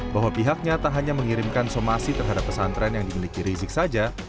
bahwa pihaknya tak hanya mengirimkan somasi terhadap pesantren yang dimiliki rizik saja